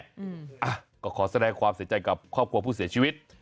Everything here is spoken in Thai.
อ่ะก็ขอแสดงความเสียใจกับครอบครัวผู้เสียชีวิต